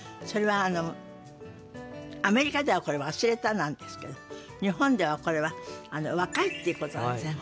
それはアメリカではこれ「忘れた」なんですけど日本ではこれは「若い」っていうこと。